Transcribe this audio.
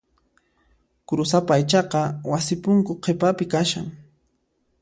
Kurusapa aychaqa wasi punku qhipapi kashan.